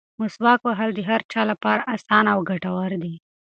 مسواک وهل د هر چا لپاره اسانه او ګټور دي.